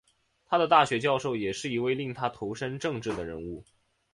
他的大学教授也是一位令他投身政治的人物。